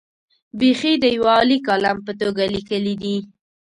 بېخي د یوه عالي کالم په توګه لیکلي دي.